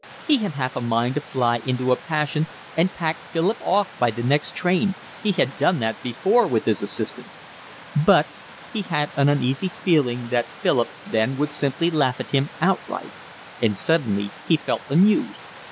He had half a mind to fly into a passion and pack Philip off by the next train, he had done that before with his assistants; but he had an uneasy feeling that Philip then would simply laugh at him outright; and suddenly he felt amused.